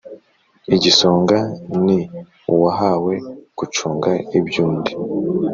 Igisonga ni uwahawe gucunga iby'undi.